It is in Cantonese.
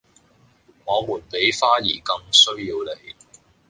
我們比花兒更需要你